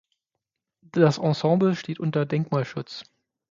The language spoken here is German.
Das Ensemble steht unter Denkmalschutz.